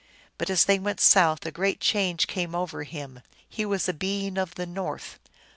But as they went south a great change came over him. He was a being of the north.